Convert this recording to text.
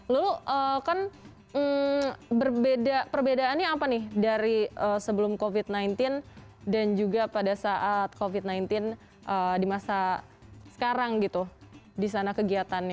lulu kan perbedaannya apa nih dari sebelum covid sembilan belas dan juga pada saat covid sembilan belas di masa sekarang gitu di sana kegiatannya